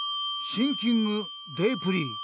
シンキングデープリー。